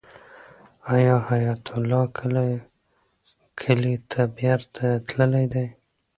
آیا حیات الله کله کلي ته بېرته تللی دی؟